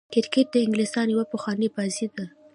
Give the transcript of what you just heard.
کرکټ د انګلستان يوه پخوانۍ بازي ده.